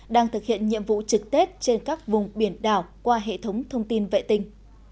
đang thực hiện nhiệm vụ trực tết trên các vùng biển đảo qua hệ thống thông tin vệ tinh